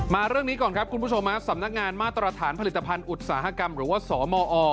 เรื่องนี้ก่อนครับคุณผู้ชมสำนักงานมาตรฐานผลิตภัณฑ์อุตสาหกรรมหรือว่าสมอ